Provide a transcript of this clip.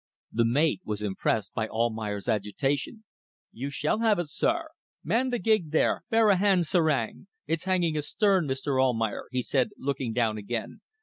The mate was impressed by Almayer's agitation "You shall have it, sir. ... Man the gig there! Bear a hand, serang! ... It's hanging astern, Mr. Almayer," he said, looking down again.